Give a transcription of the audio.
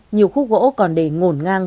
nhiều khúc gỗ còn để ngổn ngang